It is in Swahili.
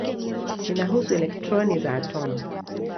Inahusu elektroni za atomu.